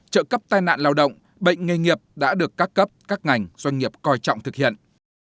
trợ cấp tai nạn lao động bệnh nghề nghiệp đã được các cấp các ngành doanh nghiệp coi trọng thực hiện